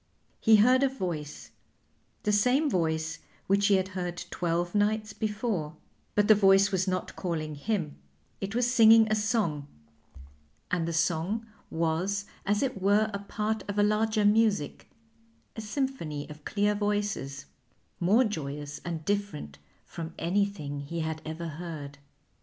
He heard a voice, the same voice which he had heard twelve nights before; but the voice was not calling him, it was singing a song, and the song was as it were a part of a larger music, a symphony of clear voices, more joyous and different from anything he had ever heard.